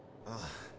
ああ。